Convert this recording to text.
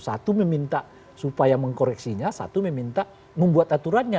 satu meminta supaya mengkoreksinya satu meminta membuat aturannya